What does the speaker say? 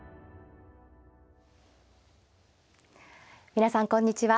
皆さんこんにちは。